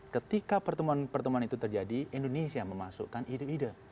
ketika pertemuan pertemuan itu terjadi indonesia memasukkan ide ide